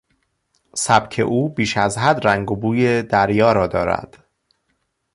سبک او بیش از حد رنگ و بوی دریا را دارد.